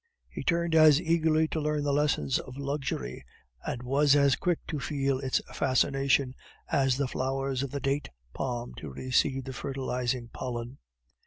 He turned as eagerly to learn the lessons of luxury, and was as quick to feel its fascination, as the flowers of the date palm to receive the fertilizing pollen.